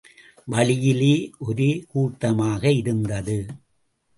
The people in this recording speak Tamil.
வழியிலே ஒரே கூட்டமாக இருந்தது.